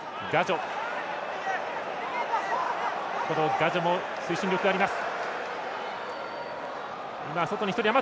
ガジョも推進力があります。